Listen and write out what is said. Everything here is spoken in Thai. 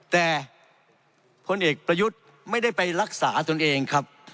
แต่พลเอกประยุทธ์ไม่ได้ไปรักษาตนเองครับ